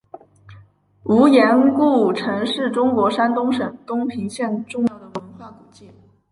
无盐故城是中国山东省东平县重要的文化古迹。